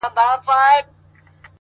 پرمختګ د تکراري هڅو حاصل دی.!